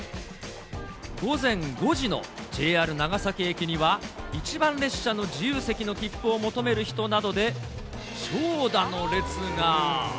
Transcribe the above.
午前５時のＪＲ長崎駅には、１番列車の自由席のきっぷを求める人などで長蛇の列が。